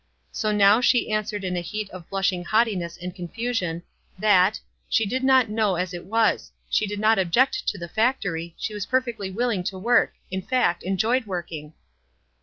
So now she answered in a heat of blushing haughtiness and confusion, that "she did not know as it was; she did not object to the factory ; she was perfectly willing to work ■— in fact, enjoyed working."